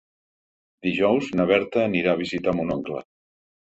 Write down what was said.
Dijous na Berta anirà a visitar mon oncle.